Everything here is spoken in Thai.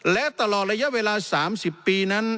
และตลอดระยะเวลา๓๐ปีนั้น